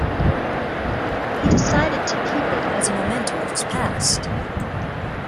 He decided to keep it as a memento of his past.